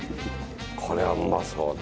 これはうまそうだ。